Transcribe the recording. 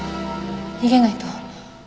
逃げないと。